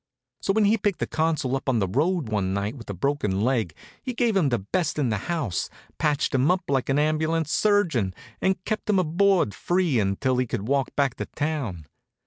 So when he picked the Consul up on the road one night with a broken leg he gave him the best in the house, patched him up like an ambulance surgeon, and kept him board free until he could walk back to town.